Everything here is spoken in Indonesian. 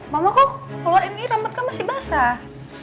mama kok keluar ini rambutnya masih basah